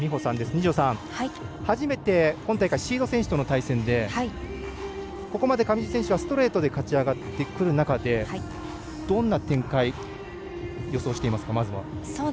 二條さん、初めて今大会シード選手との対戦でここまで上地選手はストレートで勝ち上がってくる中でまずはどんな展開を予想していますか。